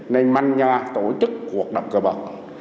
nền manh nhà tổ chức cuộc đọc cơ bọc